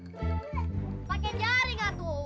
pakai jaringan tuh